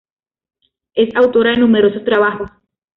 Es autora de numerosos trabajos.